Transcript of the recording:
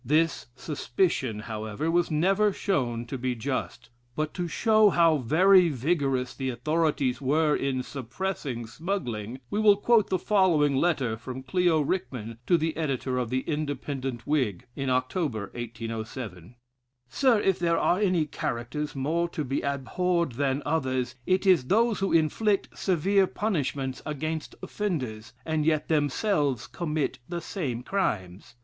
This suspicion, however, was never shown to be just. But to show how very vigorous the authorities were in suppressing smuggling, we will quote the following letter from Clio Rickman to the Editor of the Independent Whig, in October, 1807: "Sir, If there are any characters more to be abhorred than others, it is those who inflict severe punishments against offenders, and yet themselves commit the same crimes.